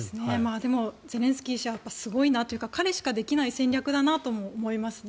でも、ゼレンスキー氏はやっぱりすごいなというか彼しかできない戦略だなとも思いますね。